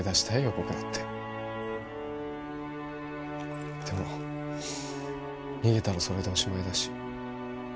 僕だってでも逃げたらそれでおしまいだし